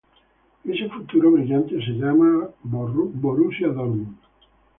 Ese futuro brillante se llama Borussia Dortmund.